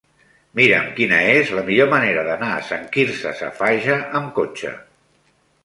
Mira'm quina és la millor manera d'anar a Sant Quirze Safaja amb cotxe.